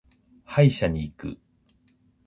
歯医者に行く。